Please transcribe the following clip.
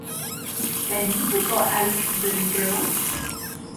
Gaindituko al zuten proba?